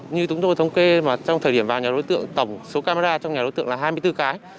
như chúng tôi thống kê mà trong thời điểm vào nhà đối tượng tổng số camera trong nhà đối tượng là hai mươi bốn cái